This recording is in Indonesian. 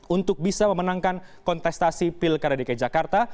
untuk bisa memenangkan kontestasi pil kdki jakarta